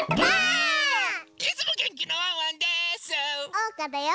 おうかだよ！